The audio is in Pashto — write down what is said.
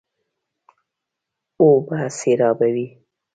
اوبه سېرابوي.